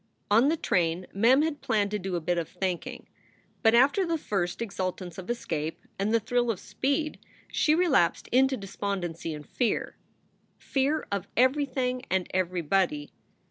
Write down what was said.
On the train Mem had planned to do a bit of thinking. But after the first exultance of escape and the thrill of speed she relapsed into despondency and fear fear of everything and everybody.